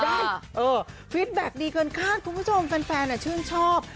ได้เออดีเกินข้างคุณผู้ชมแฟนเนี่ยชื่นชอบ